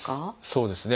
そうですね